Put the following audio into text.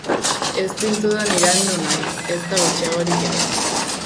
Ez zintudan iraindu nahi, ezta gutxiagorik ere.